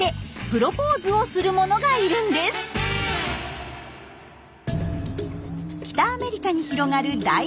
北アメリカに広がる大平原。